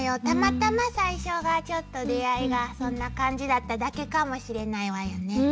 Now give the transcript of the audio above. たまたま最初がちょっと出会いがそんな感じだっただけかもしれないわよね。